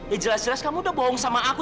ya jelas jelas kamu udah bohong sama aku